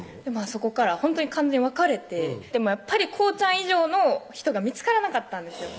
そこからほんとに完全に別れてでもこうちゃん以上の人が見つからなかったんですよ